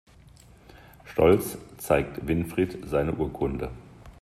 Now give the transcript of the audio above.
Stolz zeigt Winfried seine Urkunde.